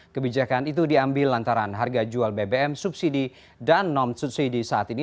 kebijakan itu diambil lantaran harga jual bbm subsidi dan non subsidi saat ini